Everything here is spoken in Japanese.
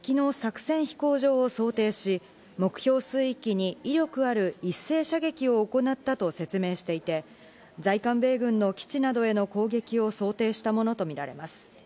北朝鮮側は敵の作戦飛行場を想定し、目標水域に威力ある一斉射撃を行ったと説明していて、在韓米軍の基地などへの攻撃を想定したものとみられます。